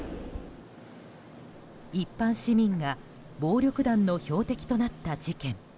一般市民が暴力団の標的となった事件。